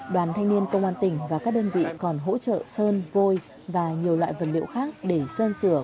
đoàn thanh niên công an tỉnh và các đơn vị còn hỗ trợ sơn vôi và nhiều loại vật liệu khác để sơn sửa